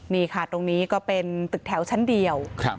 นี่ค่ะตรงนี้ก็เป็นตึกแถวชั้นเดียว